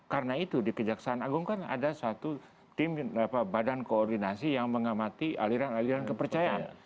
karena itu di kejaksaan agung kan ada satu tim badan koordinasi yang mengamati aliran aliran kepercayaan